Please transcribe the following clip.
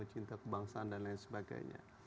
cinta kebangsaan dan lain sebagainya